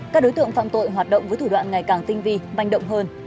các đối tượng phạm tội hoạt động với thủ đoạn ngày càng tinh vi manh động hơn